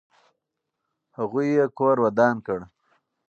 هغوی یې کور ودان کړ.